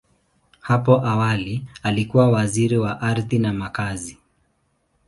Hapo awali, alikuwa Waziri wa Ardhi na Makazi.